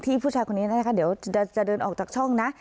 ผู้ชายคนนี้นะคะเดี๋ยวจะเดินออกจากช่องนะ